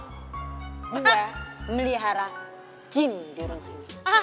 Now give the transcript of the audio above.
kedua melihara jin di rumah ini